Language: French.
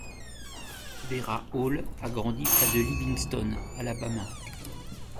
Vera Hall a grandi près de Livingston, Alabama.